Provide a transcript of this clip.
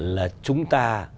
là chúng ta